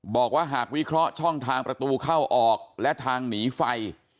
บอกว่าหากวิเคราะห์ช่องทางประตูเข้าออกและทางหนีไฟ